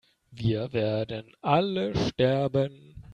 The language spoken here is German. Wir werden alle sterben!